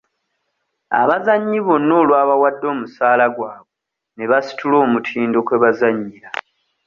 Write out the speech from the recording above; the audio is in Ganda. Abazannyi bonna olwabawadde omusaala gwabe ne basitula omutindo kwe bazannyira.